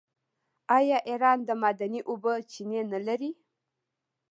آیا ایران د معدني اوبو چینې نلري؟